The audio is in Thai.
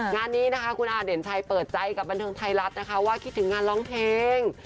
งานนี้นะคะคุณอาเด่นชัยเปิดใจกับบันเทิงไทยรัฐนะคะว่าคิดถึงงานร้องเพลง